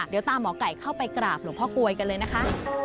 เดี๋ยวตามหมอไก่เข้าไปกราบหลวงพ่อกลวยกันเลยนะคะ